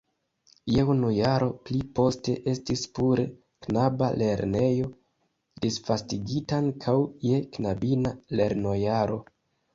Je unu jaro pli poste estis pure knaba lernejo disvastigita ankaŭ je knabina lernojaro.